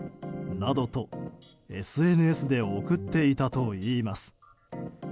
などとＳＮＳで送っていたといいます。